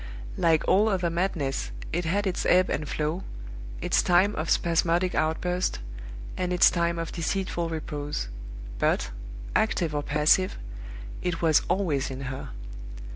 Like all other madness, it had its ebb and flow, its time of spasmodic outburst, and its time of deceitful repose; but, active or passive, it was always in her.